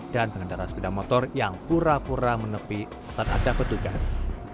dan pengendara sepeda motor yang pura pura menepi saat ada petugas